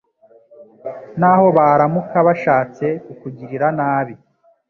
N’aho baramuka bashatse kukugirira nabi